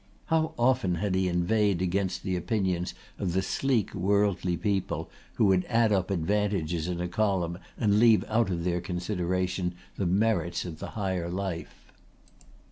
How often had he inveighed against the opinions of the sleek worldly people who would add up advantages in a column and leave out of their consideration the merits of the higher life.